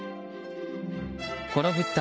この物体